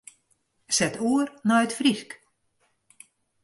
Set oer nei it Frysk.